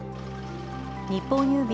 日本郵便